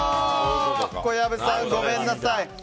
小籔さん、ごめんなさい。